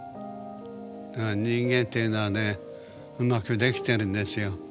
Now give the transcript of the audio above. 人間っていうのはねうまくできてるんですよ。